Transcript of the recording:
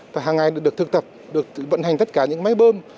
và hàng ngày được thực tập được vận hành tất cả những máy bơm